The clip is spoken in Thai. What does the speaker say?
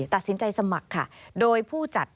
ตัดสินใจสมัครค่ะโดยผู้จัด